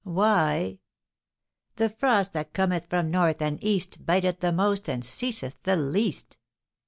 "Why, 'The frost that cometh from North and East Biteth the most and ceaseth the least.'